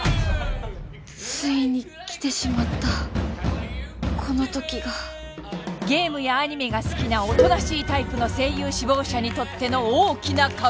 ついに来てしまったこのときがゲームやアニメが好きなおとなしいタイプの声優志望者にとっての大きな壁